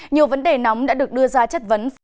nhiều vấn đề nóng đã được đưa ra chất vấn